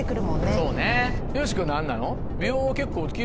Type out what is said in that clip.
そうねよしこ何なの？